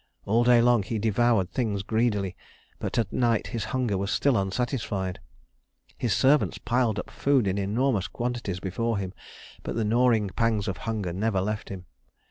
All day long he devoured things greedily, but at night his hunger was still unsatisfied. His servants piled up food in enormous quantities before him, but the gnawing pangs of hunger never left him.